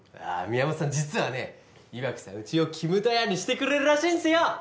あ宮本さん実はね岩城さんうちをキムタヤにしてくれるらしいんすよ